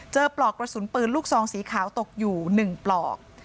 ปลอกกระสุนปืนลูกซองสีขาวตกอยู่๑ปลอก